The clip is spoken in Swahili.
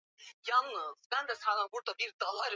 Anipendaye nimemwacha nyumbani